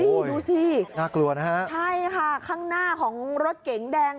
โอ้โหดูสิน่ากลัวนะฮะใช่ค่ะข้างหน้าของรถเก๋งแดง